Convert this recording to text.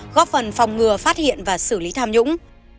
góp phần phòng ngừa phát hiện và xử lý tham nhũng